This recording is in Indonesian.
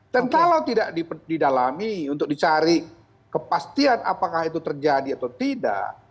dan kalau tidak didalami untuk dicari kepastian apakah itu terjadi atau tidak